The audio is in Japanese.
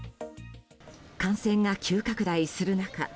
感染が急拡大する中